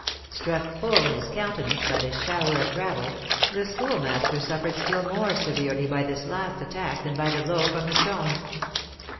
Struck full in his countenance by this shower of gravel, the Schoolmaster suffered still more severely by this last attack than by the blow from the stone.